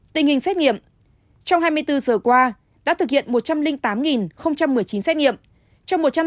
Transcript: tình hình xét nghiệm trong hai mươi bốn giờ qua đã thực hiện một trăm linh tám một mươi chín xét nghiệm